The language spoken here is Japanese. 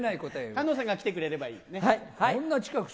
菅野さんが来てくれればいい。